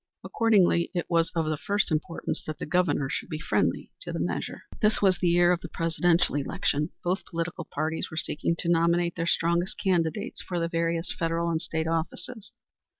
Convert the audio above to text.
Accordingly it was of the first importance that the Governor should be friendly to the measure. This was the year of the Presidential election. Both political parties were seeking to nominate their strongest candidates for the various federal and state offices.